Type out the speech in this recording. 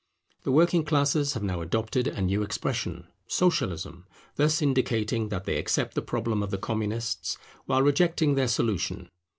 The working classes have now adopted a new expression, Socialism, thus indicating that they accept the problem of the Communists while rejecting their solution.